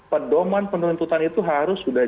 pedoman penuntutan itu harus sudah